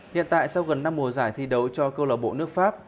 hiện tại sau gần năm mùa giải thi đấu cho cơ lộc bộ nước pháp